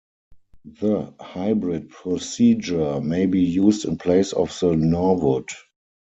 The Hybrid procedure may be used in place of the Norwood.